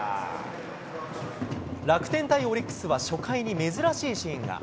楽天対オリックスは、初回に珍しいシーンが。